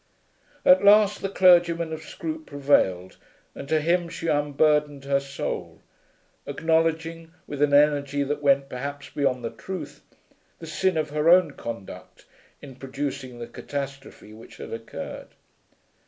At last the clergyman of Scroope prevailed, and to him she unburdened her soul, acknowledging, with an energy that went perhaps beyond the truth, the sin of her own conduct in producing the catastrophe which had occurred.